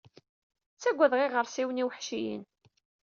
Ttagadeɣ iɣersiwen iweḥciyen.